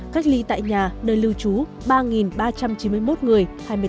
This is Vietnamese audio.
cách ly tại nhà nơi lưu trú ba ba trăm chín mươi một người hai mươi tám